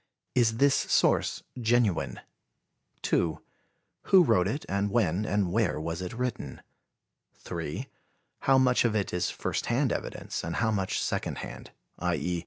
Is this source genuine? 2. Who wrote it and when and where was it written? 3. How much of it is first hand evidence and how much second hand, i. e.